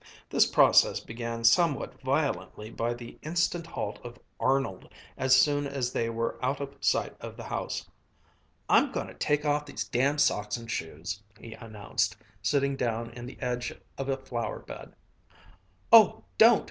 This process began somewhat violently by the instant halt of Arnold as soon as they were out of sight of the house. "I'm going to take off these damn socks and shoes," he announced, sitting down in the edge of a flower bed. "Oh, don't!